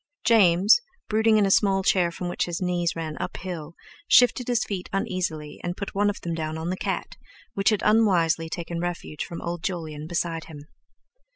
James, brooding in a small chair from which his knees ran uphill, shifted his feet uneasily, and put one of them down on the cat, which had unwisely taken refuge from old Jolyon beside him.